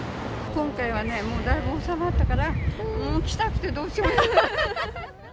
今回はね、もうだいぶ収まったから、もう来たくてどうしようもなかった。